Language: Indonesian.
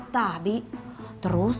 terus abi terus